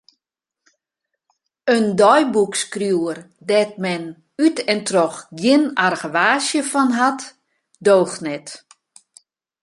In deiboekskriuwer dêr't men út en troch gjin argewaasje fan hat, doocht net.